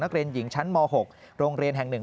นักเรียนหญิงชั้นม๖โรงเรียนแห่ง๑